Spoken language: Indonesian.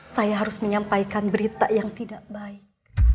saya harus menyampaikan berita yang tidak baik